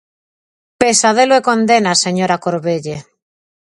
Pesadelo e condena, señora Corvelle.